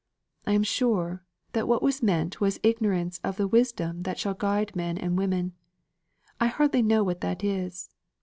I am sure, that what was meant was ignorance of the wisdom that shall guide men and women. I hardly know what that is.